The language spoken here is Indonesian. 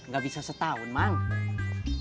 gak bisa setahun mang